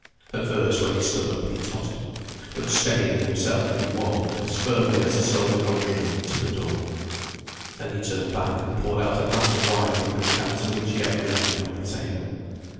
At first when he stood up, he tottered. But steadying himself, he walked, as firmly as a soldier on drill, to the door. Then he turned back and poured out a glass of wine from the decanter which yet remained on the table.